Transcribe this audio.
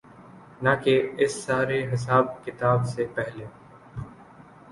نہ کہ اس سارے حساب کتاب سے پہلے۔